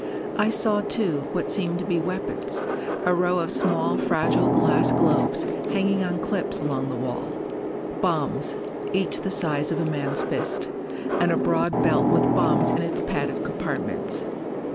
I saw too, what seemed to be weapons: a row of small fragile glass globes, hanging on clips along the wall bombs, each the size of a man's fist. And a broad belt with bombs in its padded compartments.